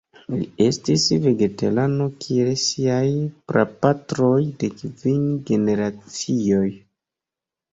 Li estis vegetarano kiel siaj prapatroj de kvin generacioj.